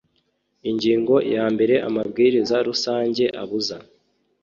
ingingo yambere amabwiriza rusange abuza